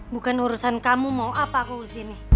bukan urusan kamu mau apa aku ke sini